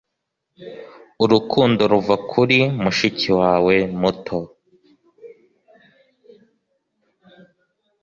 urukundo ruva kuri 'mushiki wawe muto